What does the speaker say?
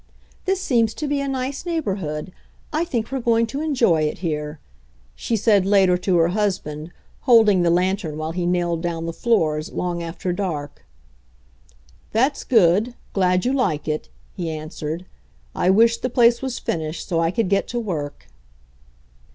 "This seems to be a nice neighborhood ; I think we're going to enjoy it here," she said later to her husband, holding the lantern while he nailed down the floors, long after dark. That's good — glad you like it," he answered. I wish the place was finished, so I could get to work."